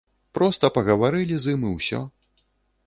Проста пагаварылі з ім і ўсё.